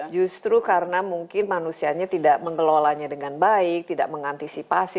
justru karena mungkin manusianya tidak mengelolanya dengan baik tidak mengantisipasi